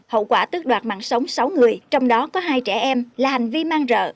hậu quả tức đoạt mạng sống sáu người trong đó có hai trẻ em là hành vi mang rợ